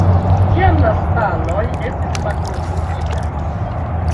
Tiam la staloj estis malkonstruitaj.